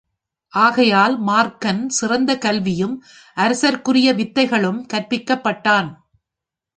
ஆகையால் மார்க்கன் சிறந்த கல்வியும் அரசர்க்குரிய வித்தைகளும் கற்பிக்கப் பட்டான்.